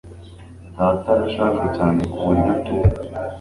Data arashaje cyane kuburyo atumva.